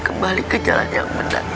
kembali ke jalan yang benar